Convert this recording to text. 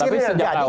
tapi sejak awal